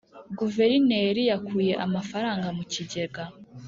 guverineri yakuye amafaranga mu kigega